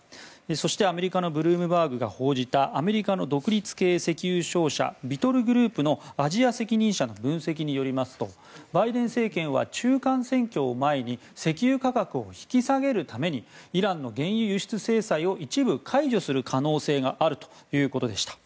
そして、アメリカのブルームバーグが報じたアメリカの独立系石油商社ビトル・グループのアジア責任者の分析によりますとバイデン政権は中間選挙を前に石油価格を引き下げるためにイランの原油輸出制裁を一部解除する可能性があるということでした。